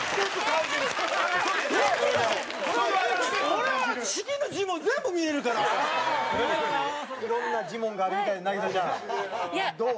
俺は四季のジモン全部見れるから「ああ冬だな」。いろんなジモンがあるみたいで凪咲ちゃんどう？